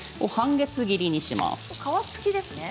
半月切りにします。